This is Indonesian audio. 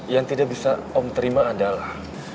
yang tidak bisa om terima adalah